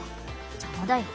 邪魔だよ。